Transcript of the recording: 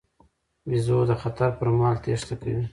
بیزو د خطر پر مهال تېښته کوي.